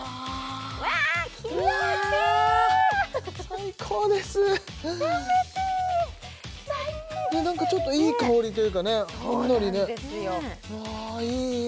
最高です冷てえなんかちょっといい香りというかねほんのりねわいい